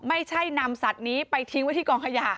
ไม่ใช่นำสัตว์นี้ไปทิ้งไว้ที่กองขยะ